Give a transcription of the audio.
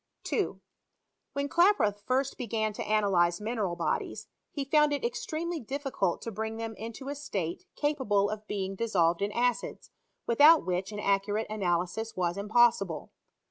2, When Klaproth first began to analyze atineral bodies, he found it extremely difficult to bring them into a state capable of being; dissolved in acids, with out which an accurate analysis was impossible.